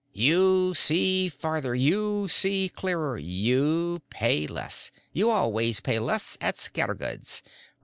You see further, you see clearer, you pay less. You always pay less at Scattergood's.